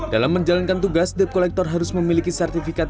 dalam menjalankan tugas dep kolektor harus memiliki sertifikat